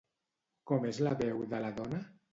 Com és la veu de la dona?